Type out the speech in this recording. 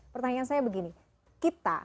pertanyaan saya begini kita